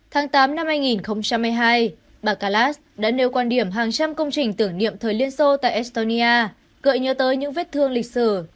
tháng tám năm hai nghìn hai mươi hai bà kalas đã nêu quan điểm hàng trăm công trình tưởng niệm thời liên xô tại estonia gợi nhớ tới những vết thương lịch sử